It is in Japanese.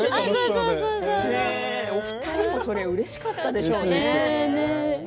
お二人もうれしかったでしょうね。